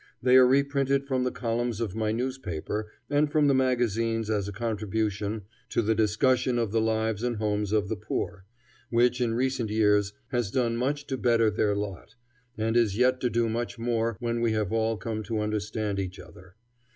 They are reprinted from the columns of my newspaper, and from the magazines as a contribution to the discussion of the lives and homes of the poor, which in recent years has done much to better their lot, and is yet to do much more when we have all come to understand each other.